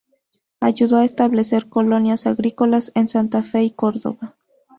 Ayudó a establecer colonias agrícolas en Santa Fe y Córdoba.